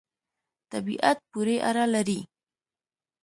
طبعیت پوری اړه لری